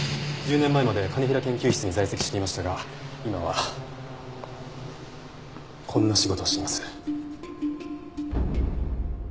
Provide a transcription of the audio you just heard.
１０年前まで兼平研究室に在籍していましたが今はこんな仕事をしています。